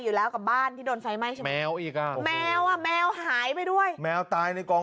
น้องคนนี้สิเมิลิโต๊ะเออ